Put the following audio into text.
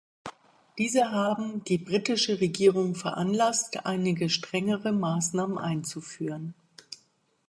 Diese haben die britische Regierung veranlasst, einige strengere Maßnahmen einzuführen.